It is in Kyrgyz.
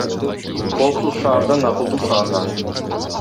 Коопсуз шаардан акылдуу шаарга